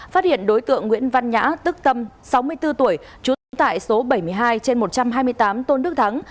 phát hiện đối tượng nguyễn văn nhã tức tâm sáu mươi bốn tuổi trú tại số bảy mươi hai trên một trăm hai mươi tám tôn đức thắng